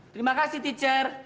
terima kasih teacher